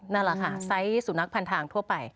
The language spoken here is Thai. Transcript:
นั่นแหละค่ะทั้งสายสูนักพันทางทั่วไป